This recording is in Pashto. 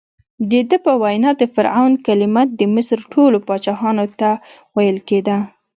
دده په وینا د فرعون کلمه د مصر ټولو پاچاهانو ته ویل کېده.